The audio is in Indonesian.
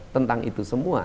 tentang itu semua